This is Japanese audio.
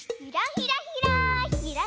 ひらひらひら。